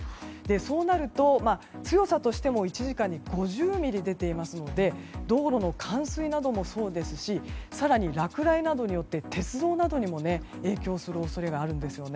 そうなると、強さとしても１時間に５０ミリ出ていますので道路の冠水などもそうですし更に落雷などによって鉄道などにも影響する恐れがあるんです。